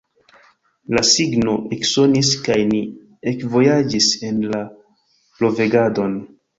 La signo eksonis, kaj ni ekvojaĝis en la blovegadon.